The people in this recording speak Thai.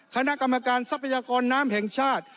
คณะกรรมการทรัพยากรน้ำแห่งชาติ